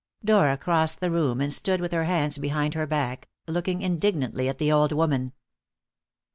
Dora crossed the room, and stood with her hands behind her back, looking indignantly at the old woman.